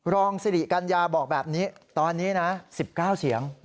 รองสิริกัญญาบอกแบบนี้ตอนนี้นะ๑๙เสียง